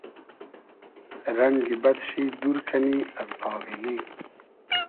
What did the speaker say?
رئنگی بئد شی دور کئنی از آغیلی